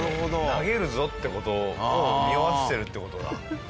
投げるぞって事をにおわせてるって事だ。